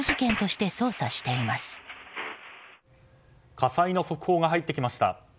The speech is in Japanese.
火災の速報が入ってきました。